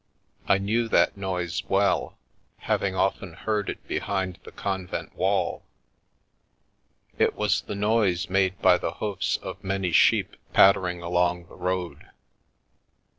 I knew that noise well — having often heard it behind the convent wall — it was the noise made by the hoofs of many sheep pattering along the road.